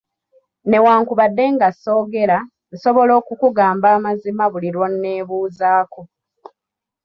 Newankubadde nga ssoogera, nsobola okukugamba amazima buli lw’onneebuuzaako.